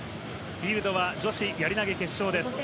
フィールドは女子やり投げ決勝です。